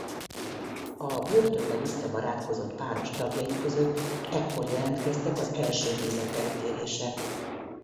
A börtönben összebarátkozott páros tagjai között ekkor jelentkeztek az első nézeteltérések.